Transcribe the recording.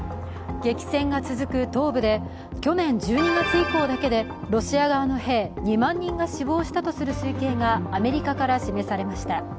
激戦が続く東部で去年１２月以降だけでロシア側の兵２万人が死亡したとする推計がアメリカから示されました。